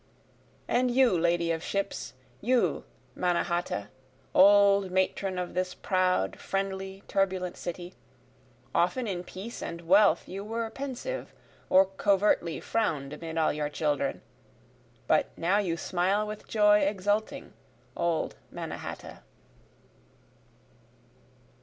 And you lady of ships, you Mannahatta, Old matron of this proud, friendly, turbulent city, Often in peace and wealth you were pensive or covertly frown'd amid all your children, But now you smile with joy exulting old Mannahatta.